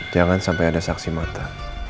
jangan sampai ada saksi mata